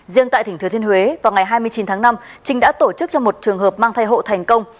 riêng tại thỉnh thừa thiên huế vào ngày hai mươi chín tháng năm trinh đã tổ chức cho một trường hợp mang thai hộ thành công